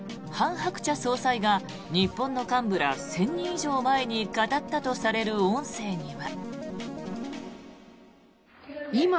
・ハクチャ総裁が日本の幹部ら１０００人以上を前に語ったとされる音声には。